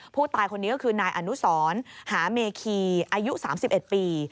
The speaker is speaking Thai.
ผู้ตายคนนี้ก็คือนายอนุสรหาเมคีอายุ๓๑ปี